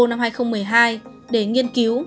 năm hai nghìn một mươi hai để nghiên cứu